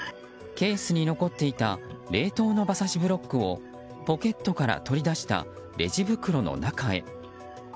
ケースに残っていた冷凍の馬刺しブロックをポケットから取り出したレジ袋の中へ。